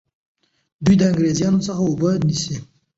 دوی د انګریزانو څخه اوبه نیسي.